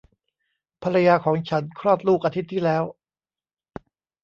ภรรยาของฉันคลอดลูกอาทิตย์ที่แล้ว